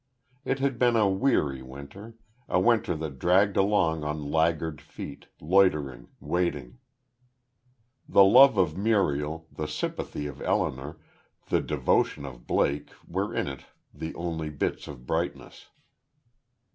It had been a weary winter a winter that dragged along on laggard feet, loitering, waiting. The love of Muriel, the sympathy of Elinor, the devotion of Blake were in it the only bits of brightness.